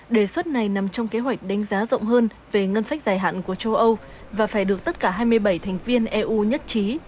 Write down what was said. đề xuất này nằm trong kế hoạch đánh giá rộng hơn về ngân sách dài hạn của châu âu và phải được tất cả hai mươi bảy thành viên eu nhất trí